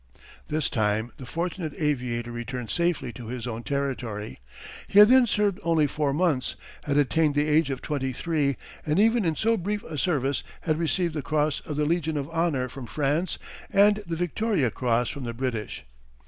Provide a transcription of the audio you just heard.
This time the fortunate aviator returned safely to his own territory. He had then served only four months, had attained the age of twenty three, and even in so brief a service had received the Cross of the Legion of Honour from France and the Victoria Cross from the British.